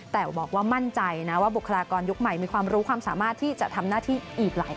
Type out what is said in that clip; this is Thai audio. แต่บอกว่ามั่นใจนะว่าบุคลากรยุคใหม่มีความรู้ความสามารถที่จะทำหน้าที่อีกหลายคน